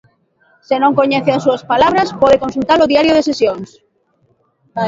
Se non coñece as súas palabras, pode consultar o Diario de Sesións.